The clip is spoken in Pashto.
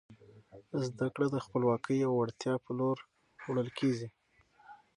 زده کړه د خپلواکۍ او وړتیا په لور وړل کیږي.